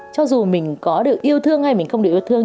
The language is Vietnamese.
cho dù mình có được yêu thương hay mình không được yêu thương